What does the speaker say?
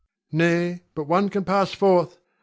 Nay, but one can pass forth.